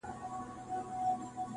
پروني ملا ویله چي کفار پکښي غرقیږي-